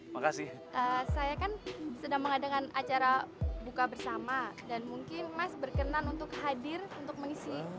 makasih saya kan sedang mengadakan acara buka bersama dan mungkin mas berkenan untuk hadir untuk mengisi